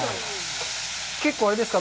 結構あれですか。